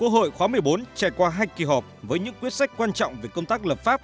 quốc hội khóa một mươi bốn trải qua hai kỳ họp với những quyết sách quan trọng về công tác lập pháp